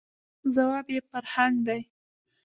، ځواب یې «فرهنګ» دی.